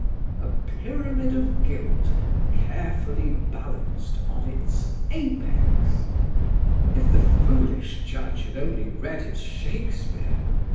A pyramid of guilt carefully balanced on its apex! If the foolish Judge had only read his Shakespeare!